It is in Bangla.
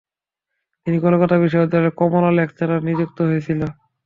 তিনি কলকাতা বিশ্ববিদ্যালয়ের কমলা লেকচারার নিযুক্ত হয়েছিলেন।